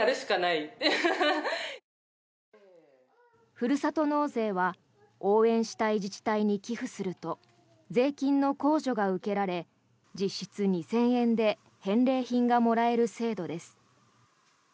ふるさと納税は応援したい自治体に寄付すると税金の控除が受けられ実質２０００円で返礼品がもらえる制度です。